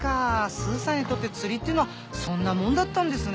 スーさんにとって釣りっていうのはそんなもんだったんですね。